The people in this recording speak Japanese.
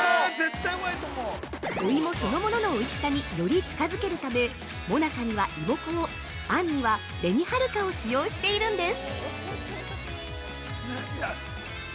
◆お芋そのもののおいしさにより近づけるため、もなかには芋粉を、あんには「紅はるか」を使用しているんです！